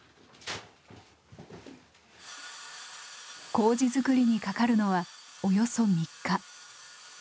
麹づくりにかかるのはおよそ３日。